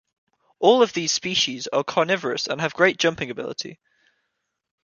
All of these species are carnivorous and have great jumping ability.